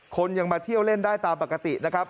คนยังมาเที่ยวเล่นได้ตามปกตินะครับ